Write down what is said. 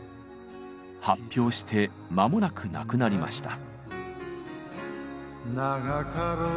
発表して間もなく亡くなりました。